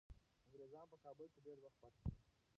انګریزان په کابل کي ډیر وخت پاتې شول.